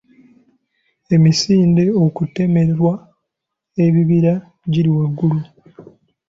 Emisinde okutemerwa ebibira giri waggulu .